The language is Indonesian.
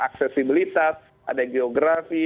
aksesibilitas ada geografi